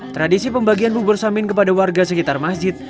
tradisi pembagian bubur samin kepada warga sekitar masjid